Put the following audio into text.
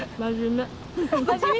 真面目。